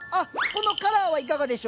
このカラーはいかがでしょう？